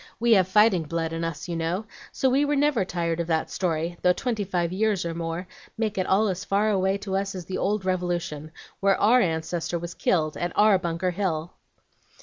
We have fighting blood in us, you know, so we were never tired of that story, though twenty five years or more make it all as far away to us as the old Revolution, where OUR ancestor was killed, at OUR Bunker Hill!